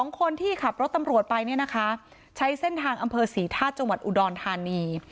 คนที่ขับรถตำรวจไปเนี่ยนะคะใช้เส้นทางอำเภอศรีธาตุจังหวัดอุดรธานี